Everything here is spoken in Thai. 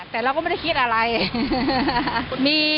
แต่เราก็ไม่ได้คิดอะไร